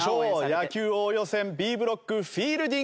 野球王予選Ｂブロックフィールディング。